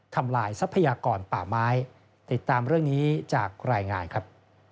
ทำลายทรัพยากรป่าไม้ติดตามเรื่องนี้จากรายงานครับ